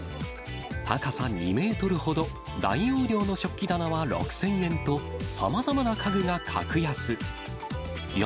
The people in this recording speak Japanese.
高さ２メートルほど、大容量の食器棚は６０００円と、さまざまな家具が格安。